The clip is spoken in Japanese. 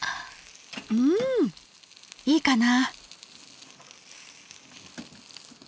うんいいかな。